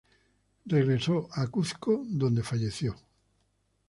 Regresó al Cuzco donde falleció.